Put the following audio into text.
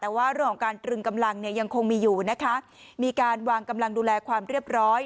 แต่ว่าเรื่องของการตรึงกำลังเนี่ยยังคงมีอยู่นะคะมีการวางกำลังดูแลความเรียบร้อย